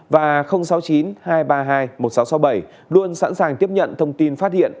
và sáu mươi chín hai trăm ba mươi hai một nghìn sáu trăm sáu mươi bảy luôn sẵn sàng tiếp nhận thông tin phát hiện